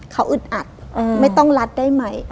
เขาอึดอัดไม่ต้องรัดได้ไหม